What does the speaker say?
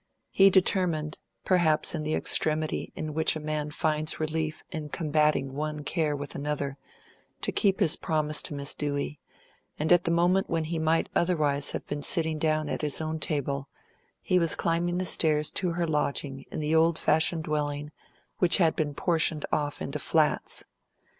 He determined, perhaps in the extremity in which a man finds relief in combating one care with another, to keep his promise to Miss Dewey, and at the moment when he might otherwise have been sitting down at his own table he was climbing the stairs to her lodging in the old fashioned dwelling which had been portioned off into flats.